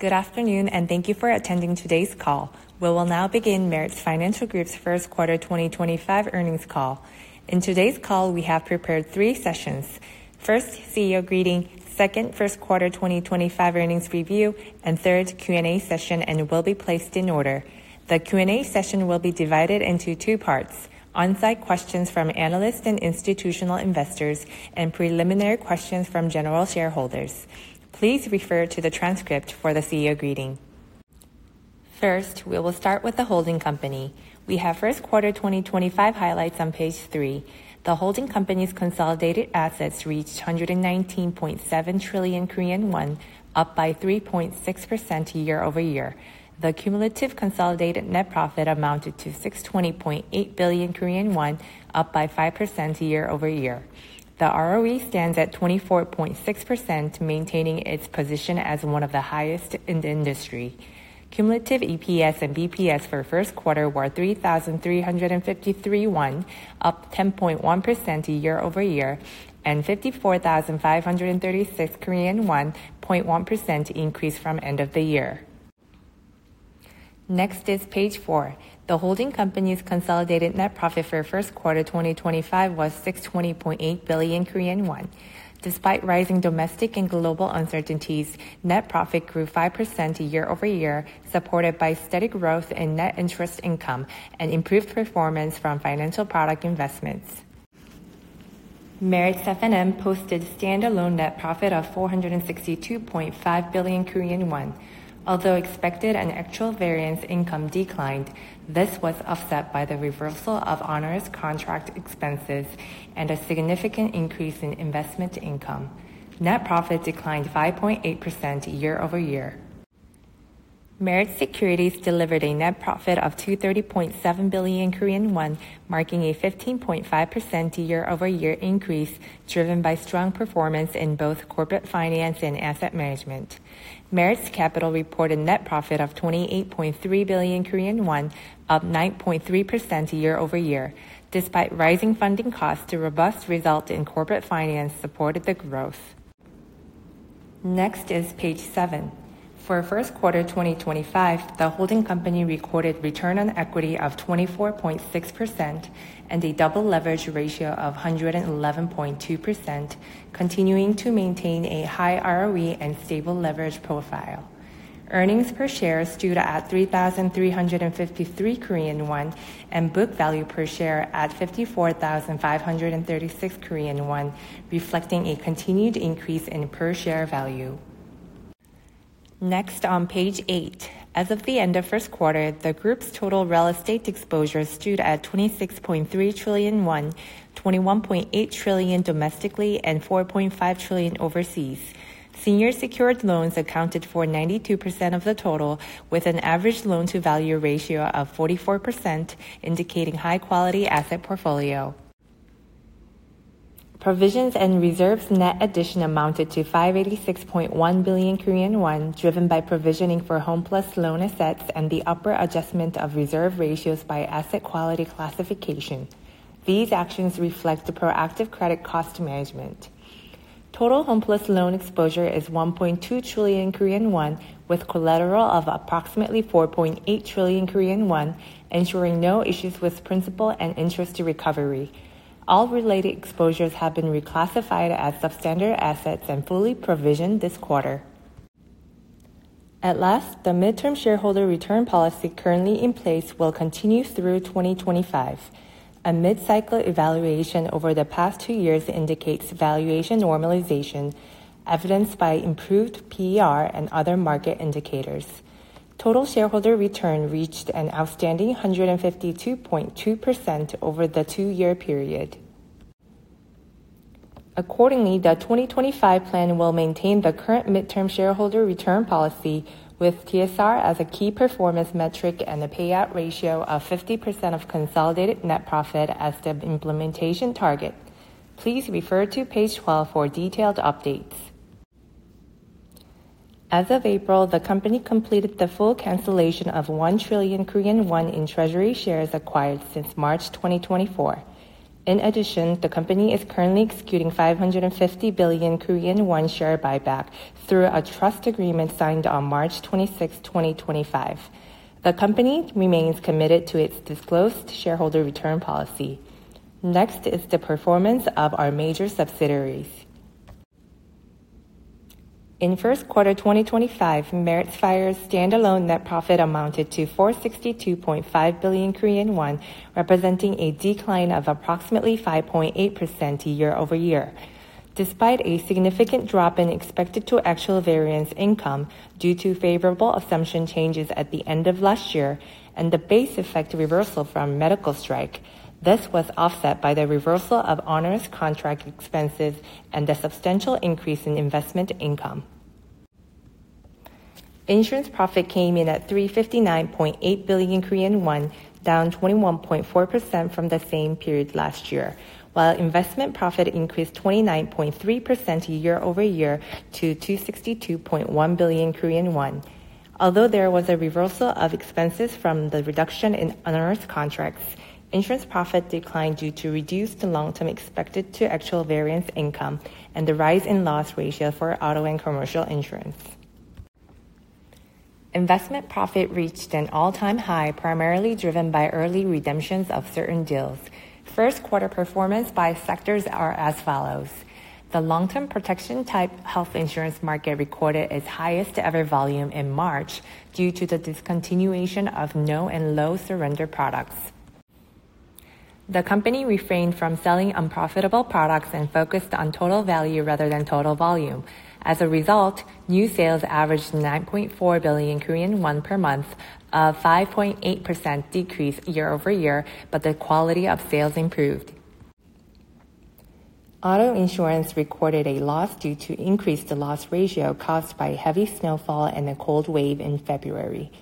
Good afternoon, and thank you for attending today's call. We will now begin Meritz Financial Group's First Quarter 2025 Earnings Call. In today's call, we have prepared three sessions. First, CEO greeting. Second, first quarter 2025 earnings review. Third, Q&A session and will be placed in order. The Q&A session will be divided into two parts, on-site questions from analysts and institutional investors, and preliminary questions from general shareholders. Please refer to the transcript for the CEO greeting. First, we will start with the holding company. We have first quarter 2025 highlights on Page three. The holding company's consolidated assets reached 119.7 trillion Korean won, up by 3.6% year-over-year. The cumulative consolidated net profit amounted to 620.8 billion Korean won, up by 5% year-over-year. The ROE stands at 24.6%, maintaining its position as one of the highest in the industry. Cumulative EPS and BPS for first quarter were 3,353 won, up 10.1% year-over-year, and 54,536 Korean won, 0.1% increase from end of the year. Next is Page four. The holding company's consolidated net profit for first quarter 2025 was 620.8 billion Korean won. Despite rising domestic and global uncertainties, net profit grew 5% year-over-year, supported by steady growth in net interest income and improved performance from financial product investments. Meritz F&M posted standalone net profit of 462.5 billion Korean won. Although Expected to actual variance income declined, this was offset by the reversal of onerous contract expenses and a significant increase in investment income. Net profit declined 5.8% year-over-year. Meritz Securities delivered a net profit of 230.7 billion Korean won, marking a 15.5% year-over-year increase, driven by strong performance in both corporate finance and asset management. Meritz Capital reported net profit of 28.3 billion Korean won, up 9.3% year-over-year. Despite rising funding costs, the robust result in corporate finance supported the growth. Next is Page seven. For first quarter 2025, the holding company recorded Return on Equity of 24.6% and a double leverage ratio of 111.2%, continuing to maintain a high ROE and stable leverage profile. Earnings per share stood at 3,353 Korean won, and book value per share at 54,536 Korean won, reflecting a continued increase in per share value. As of the end of first quarter, the group's total real estate exposure stood at 26.3 trillion won, 21.8 trillion domestically and 4.5 trillion overseas. Senior secured loans accounted for 92% of the total, with an average loan-to-value ratio of 44%, indicating high-quality asset portfolio. Provisions and reserves net addition amounted to 586.1 billion Korean won, driven by provisioning for Homeplus loan assets and the upper adjustment of reserve ratios by asset quality classification. These actions reflect the proactive credit cost management. Total Homeplus loan exposure is 1.2 trillion Korean won, with collateral of approximately 4.8 trillion Korean won, ensuring no issues with principal and interest to recovery. All related exposures have been reclassified as Substandard assets and fully provisioned this quarter. The midterm shareholder return policy currently in place will continue through 2025. A mid-cycle evaluation over the past two years indicates valuation normalization, evidenced by improved PER and other market indicators. Total shareholder return reached an outstanding 152.2% over the two-year period. The 2025 plan will maintain the current midterm shareholder return policy with TSR as a key performance metric and a payout ratio of 50% of consolidated net profit as the implementation target. Please refer to Page 12 for detailed updates. As of April, the company completed the full cancellation of 1 trillion Korean won in treasury shares acquired since March 2024. The company is currently executing 550 billion Korean won share buyback through a trust agreement signed on March 26th, 2025. The company remains committed to its disclosed shareholder return policy. Next is the performance of our major subsidiaries. In first quarter 2025, Meritz Fire's standalone net profit amounted to 462.5 billion Korean won, representing a decline of approximately 5.8% year-over-year. Despite a significant drop in Expected to actual variance income due to favorable assumption changes at the end of last year and the base effect reversal from medical strike, this was offset by the reversal of onerous contract expenses and a substantial increase in investment income. Insurance profit came in at 359.8 billion Korean won, down 21.4% from the same period last year. While investment profit increased 29.3% year-over-year to 262.1 billion Korean won. Although there was a reversal of expenses from the reduction in onerous contracts, insurance profit declined due to reduced long-term expected to actual variance income and the rise in loss ratio for auto and commercial insurance. Investment profit reached an all-time high, primarily driven by early redemptions of certain deals. First quarter performance by sectors are as follows. The long-term protection-type health insurance market recorded its highest ever volume in March due to the discontinuation of no and low surrender products. The company refrained from selling unprofitable products and focused on total value rather than total volume. As a result, new sales averaged 9.4 billion Korean won per month, a 5.8% decrease year-over-year, but the quality of sales improved. Auto insurance recorded a loss due to increased loss ratio caused by heavy snowfall and a cold wave in February.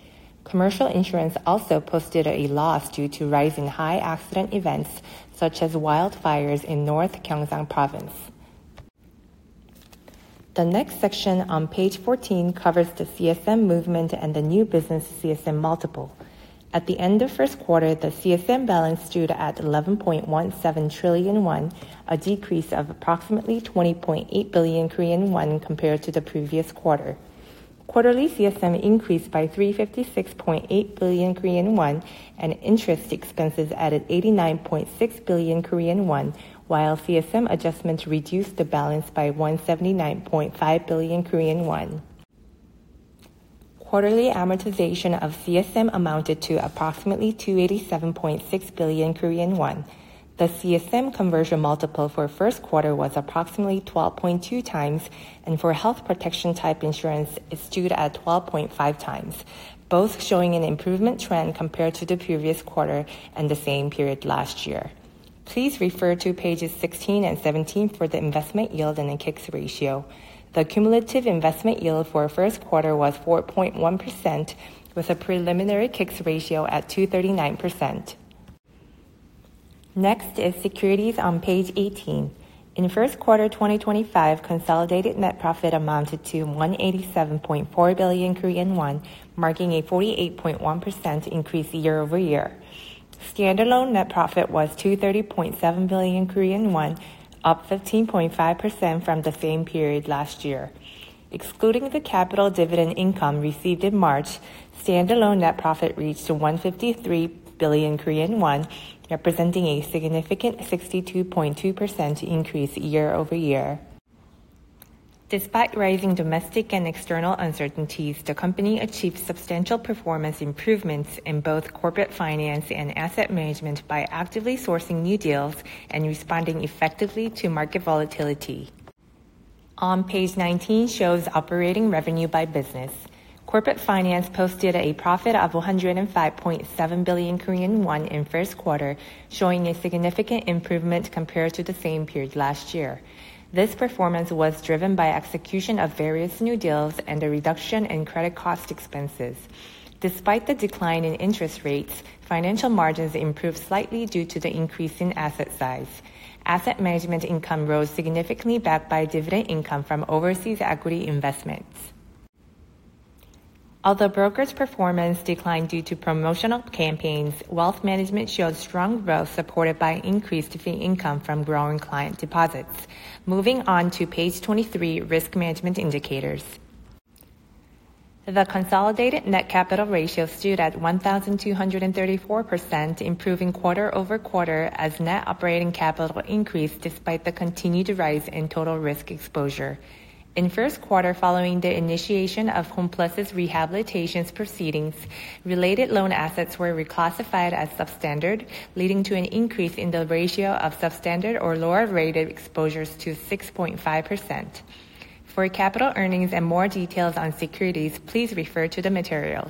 Commercial insurance also posted a loss due to rise in high accident events such as wildfires in North Gyeongsang Province. The next section on Page 14 covers the CSM movement and the new business CSM multiple. At the end of first quarter, the CSM balance stood at 11.17 trillion won, a decrease of approximately 20.8 billion Korean won compared to the previous quarter. Quarterly CSM increased by 356.8 billion Korean won, and interest expenses added 89.6 billion Korean won, while CSM adjustments reduced the balance by 179.5 billion Korean won. Quarterly amortization of CSM amounted to approximately 287.6 billion Korean won. The CSM conversion multiple for first quarter was approximately 12.2x, and for health protection type insurance, it stood at 12.5x, both showing an improvement trend compared to the previous quarter and the same period last year. Please refer to pages 16 and 17 for the investment yield and the K-ICS Ratio. The cumulative investment yield for first quarter was 4.1% with a preliminary K-ICS Ratio at 239%. Next is securities on Page 18. In first quarter 2025, consolidated net profit amounted to 187.4 billion Korean won, marking a 48.1% increase year-over-year. Standalone net profit was 230.7 billion Korean won, up 15.5% from the same period last year. Excluding the capital dividend income received in March, standalone net profit reached 153 billion Korean won, representing a significant 62.2% increase year-over-year. Despite rising domestic and external uncertainties, the company achieved substantial performance improvements in both corporate finance and asset management by actively sourcing new deals and responding effectively to market volatility. On Page 19 shows operating revenue by business. Corporate finance posted a profit of 105.7 billion Korean won in first quarter, showing a significant improvement compared to the same period last year. This performance was driven by execution of various new deals and a reduction in credit cost expenses. Despite the decline in interest rates, financial margins improved slightly due to the increase in asset size. Asset management income rose significantly backed by dividend income from overseas equity investments. Although brokers' performance declined due to promotional campaigns, wealth management showed strong growth supported by increased fee income from growing client deposits. Moving on to Page 23, risk management indicators. The consolidated net capital ratio stood at 1,234%, improving quarter-over-quarter as net operating capital increased despite the continued rise in total risk exposure. In first quarter, following the initiation of Homeplus' rehabilitation proceedings, related loan assets were reclassified as Substandard, leading to an increase in the ratio of Substandard or lower-rated exposures to 6.5%. For capital earnings and more details on securities, please refer to the materials.